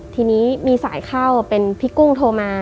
ทีนี้มีสายเข้าเป็นพี่กุ้งโทรมา